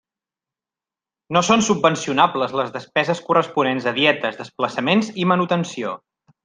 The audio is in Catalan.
No són subvencionables les despeses corresponents a dietes, desplaçaments i manutenció.